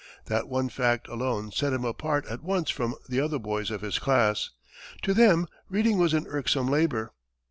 That one fact alone set him apart at once from the other boys of his class. To them reading was an irksome labor.